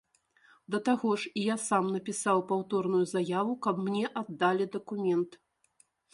Да таго ж, і я сам напісаў паўторную заяву, каб мне аддалі дакумент.